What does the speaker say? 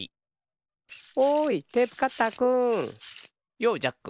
ようジャック。